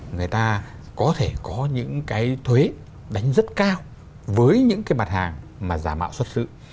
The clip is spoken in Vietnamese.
người ta có thể có những cái thuế đánh rất cao với những cái mặt hàng mà giả mạo xuất xứ